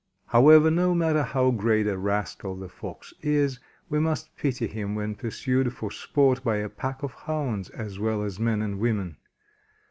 However, no matter how great a rascal the Fox is, we must pity him when pursued for "sport" by a pack of hounds, as well as men and women.